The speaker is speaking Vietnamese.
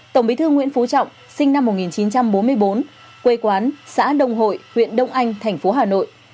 tổng bí thư nguyễn phú trọng sinh năm một nghìn chín trăm bốn mươi bốn quê quán xã đông hội huyện đông anh thành phố hà nội